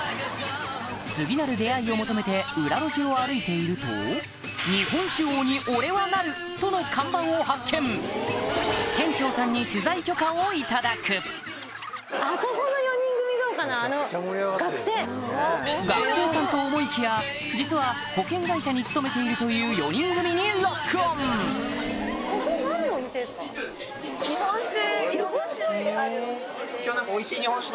次なる出会いを求めて裏路地を歩いているととの看板を発見店長さんに取材許可を頂く学生さんと思いきや実は保険会社に勤めているという４人組にロックオン日本酒のお店？